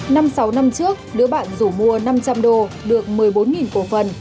năm sáu năm trước lứa bạn rủ mua năm trăm linh đô được một mươi bốn cổ phần